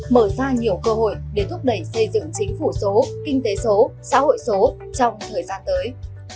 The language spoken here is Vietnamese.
mở ra nhiều cơ hội để thúc đẩy xây dựng chính phủ số kinh tế số xã hội số trong thời gian tới